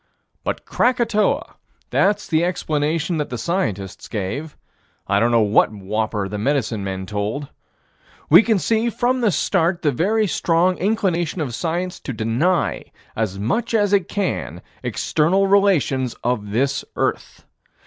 But Krakatoa: that's the explanation that the scientists gave. I don't know what whopper the medicine men told. We see, from the start, the very strong inclination of science to deny, as much as it can, external relations of this earth.